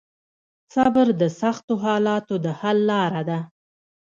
صبر د سختو حالاتو د حل لار ده.